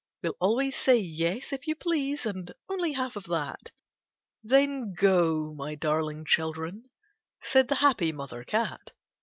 We '11 always say, " Yes, if you please," and " Only half of that." '* Then go, my darling children,' said the happy Mother Cat.